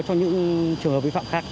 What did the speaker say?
cho những trường hợp vi phạm khác